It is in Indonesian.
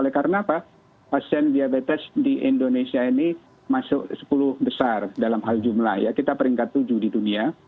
oleh karena apa pasien diabetes di indonesia ini masuk sepuluh besar dalam hal jumlah ya kita peringkat tujuh di dunia